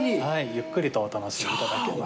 ゆっくりとお楽しみ頂けます。